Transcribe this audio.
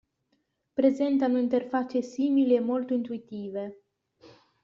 Presentano interfacce simili e molto intuitive.